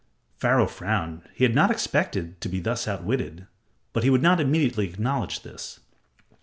Pharaoh frowned. He had not expected to be thus outwitted, but he would not immediately acknowledge this.